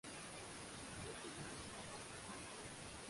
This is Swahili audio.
lugha ya kiswahili lugha zao za kikabila